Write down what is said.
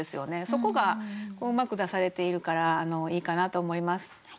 そこがうまく出されているからいいかなと思います。